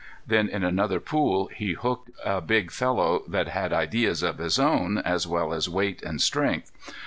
Then in another pool he hooked a big fellow that had ideas of his own as well as weight and strength.